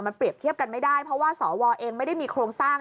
มันเปรียบเทียบกันไม่ได้เพราะว่าสวเองไม่ได้มีโครงสร้าง